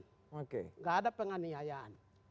tidak ada penganiayaan